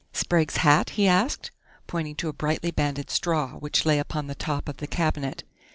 "Sprague's hat?" he asked, pointing to a brightly banded straw which lay upon the top of the cabinet.